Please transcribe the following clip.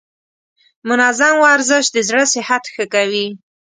منظم ورزش د زړه صحت ښه کوي.